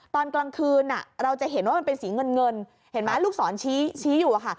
ตอนกลางคืนเราจะเห็นว่ามันเป็นสีเงินเห็นไหมลูกศรชี้อยู่อะค่ะ